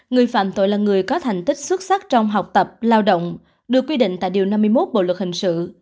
người phạm tội là người có thành tích xuất sắc trong học tập lao động được quy định tại điều năm mươi một bộ luật hình sự